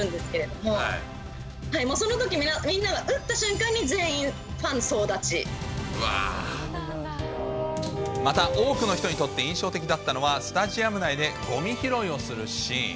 もうそのとき、みんなが、打ったまた、多くの人にとって印象的だったのは、スタジアム内でごみ拾いをするシーン。